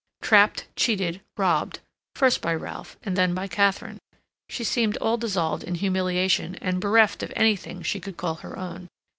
Trapped, cheated, robbed, first by Ralph and then by Katharine, she seemed all dissolved in humiliation, and bereft of anything she could call her own.